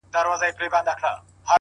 خو وخته لا مړ سوى دی ژوندى نـه دی.!